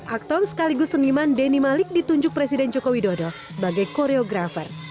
aktor sekaligus seniman deni malik ditunjuk presiden joko widodo sebagai koreografer